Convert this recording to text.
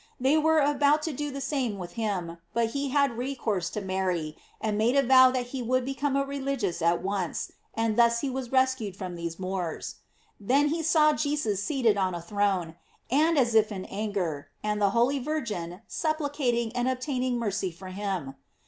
They were about to do the same with him, but he had recourse to Mary, and made a vow that he would become a religious at once, and thus he was rescued from these Moors; then he saMf Jesus seated on a throne, and as if in anger, and the holy Virgin supplicating and obtaining mercy for him.